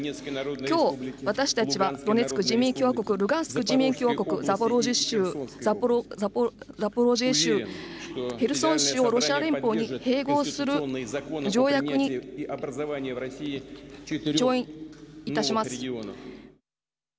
今日私たちはドネツク人民共和国ルガンスク人民共和国ザポリージャ州ヘルソン州をロシア連邦に併合する条約に調印いたします。